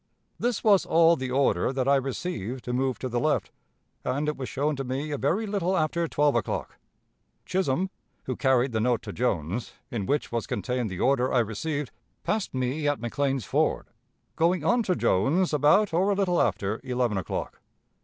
This was all the order that I received to move to the left, and it was shown to me a very little after twelve o'clock.... Chisholm, who carried the note to Jones, in which was contained the order I received, passed me at McLean's Ford going on to Jones about, or a little after, eleven o'clock.